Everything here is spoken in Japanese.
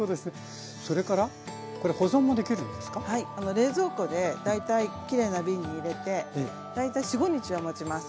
冷蔵庫で大体きれいな瓶に入れて大体４５日はもちます。